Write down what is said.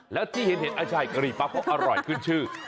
แล้วที่ที่เห็นกลัวกลีปั๊บเพราะอร่อยคืนชื่อ